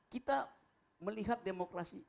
kita melihat demokrasi